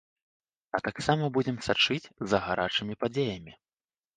А таксама будзем сачыць за гарачымі падзеямі.